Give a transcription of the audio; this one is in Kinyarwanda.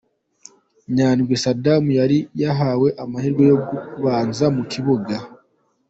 Nyandwi Saddam yari yahawe amahirwe yo kubanza mu kibuga.